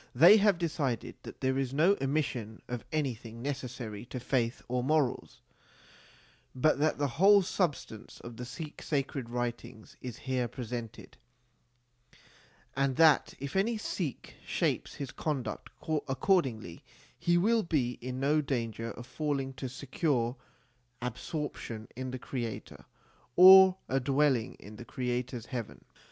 They have decided that there is no omission of anything necessary to faith or morals, but that the whole substance of the Sikh sacred writings is here pre sented, and that if any Sikh shapes his conduct accordingly, he will be in no danger of failing to secure absorption in the Creator or a dwelling in the Creator s heaven.